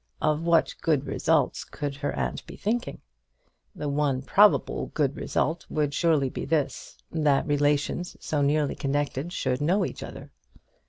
Of what good results could her aunt be thinking? The one probable good result would surely be this that relations so nearly connected should know each other.